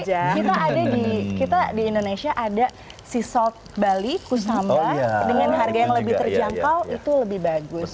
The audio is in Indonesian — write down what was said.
tapi sekali lagi kita ada di indonesia ada sea salt bali kusamba dengan harga yang lebih terjangkau itu lebih bagus